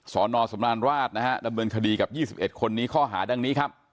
สอนอสำราญราชนะฮะดำเนินคดีกับ๒๑คนนี้ข้อหาดังนี้ครับ